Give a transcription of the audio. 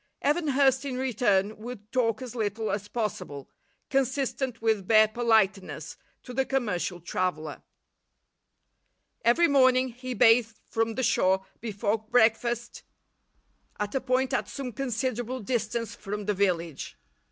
Evan Hurst, in return, would talk as little as possible, consistent with bare politeness, to the commercial traveller. Every morning he bathed from the shore before breakfast at a point at some considerable distance from the village.